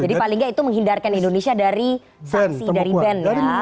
jadi paling gak itu menghindarkan indonesia dari saksi dari ban ya